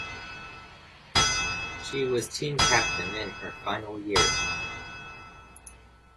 She was Team Captain in her final year.